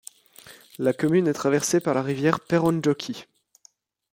La commune est traversée par la rivière Perhonjoki.